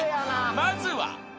まずは］